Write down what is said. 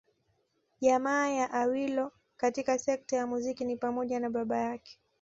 Jamaa ya Awilo katika sekta ya muziki ni pamoja na baba yake